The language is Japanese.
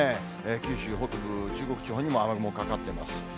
九州北部、中国地方にも雨雲かかってます。